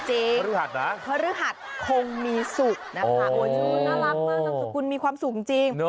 เพราะรือหัดนะเพราะรือหัดคงมีสูตรนะคะน่ารักมากน้ำสุกุลมีความสูงจริง